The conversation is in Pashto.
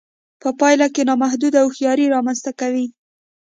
په پایله کې نامحدوده هوښیاري رامنځته کوي